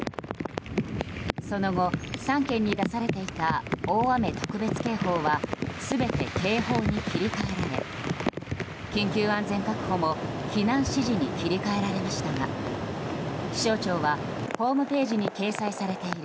その後、３県に出されていた大雨特別警報は全て警報に切り替えられ緊急安全確保も避難指示に切り替えられましたが気象庁はホームページに掲載されている